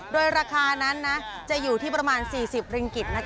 โดยราคานั้นจะอยู่ที่ประมาณ๔๐ริงกิจ